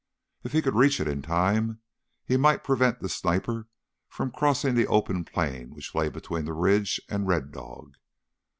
If he could reach it in time, he might prevent the sniper from crossing the open plain which lay between the ridge and Red Dog.